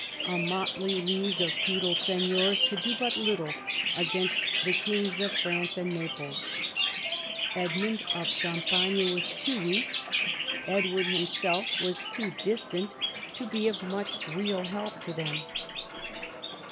A motley league of feudal seigneurs could do but little against the Kings of France and Naples. Edmund of Champagne was too weak, Edward himself was too distant to be of much real help to them.